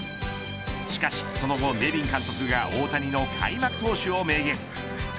しかしその後ネビン監督が大谷の開幕投手を明言。